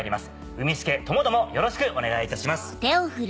うみスケともどもよろしくお願いいたします。